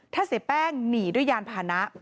ถ้าเสียแป้งหนีด้วยยานพานะ